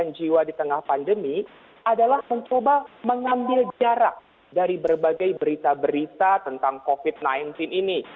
korban jiwa di tengah pandemi adalah mencoba mengambil jarak dari berbagai berita berita tentang covid sembilan belas ini